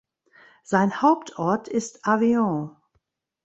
Sein Hauptort ist Avion.